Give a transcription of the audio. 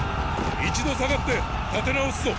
一度退がって立て直すぞ。